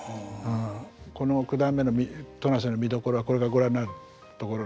この九段目の戸無瀬の見どころはこれからご覧になるところのね